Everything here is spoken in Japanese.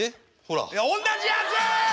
いやおんなじやつ！